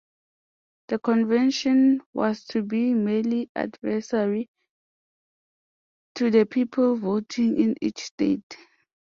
The Convention was to be "merely advisory" to the people voting in each state.